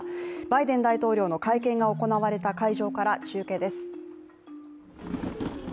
バイデン大統領の会見が行われた会場から中継です。